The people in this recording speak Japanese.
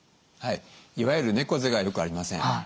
はいいわゆる猫背がよくありません。